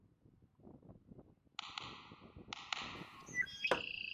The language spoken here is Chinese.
德累斯顿圣母教堂是德国萨克森州首府德累斯顿的一座路德会教堂。